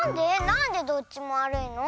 なんでどっちもわるいの？